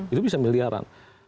itu bisa miliaran